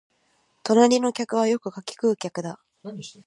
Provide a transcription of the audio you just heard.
隣の客はよく柿喰う客だ